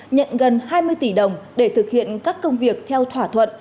nhận gần hai mươi tỷ đồng để thực hiện các công việc theo thỏa thuận